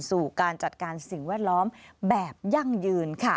สู่การจัดการสิ่งแวดล้อมแบบยั่งยืนค่ะ